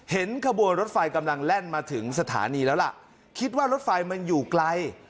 ขบวนรถไฟกำลังแล่นมาถึงสถานีแล้วล่ะคิดว่ารถไฟมันอยู่ไกล